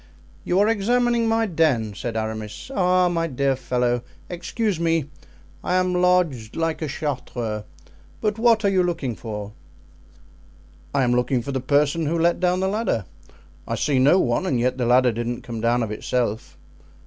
"You are examining my den," said Aramis. "Ah, my dear fellow, excuse me; I am lodged like a Chartreux. But what are you looking for?" "I am looking for the person who let down the ladder. I see no one and yet the ladder didn't come down of itself."